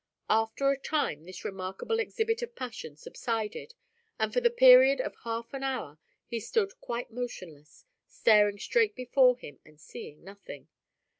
After a time this remarkable exhibit of passion subsided and for the period of half an hour he stood quite motionless, staring straight before him and seeing nothing.